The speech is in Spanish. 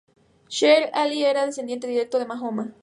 Sharif Ali era descendiente directo de Mahoma.